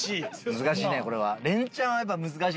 難しいねこれは。